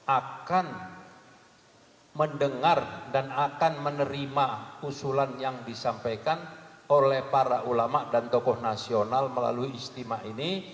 akan mendengar dan akan menerima usulan yang disampaikan oleh para ulama dan tokoh nasional melalui istimewa ini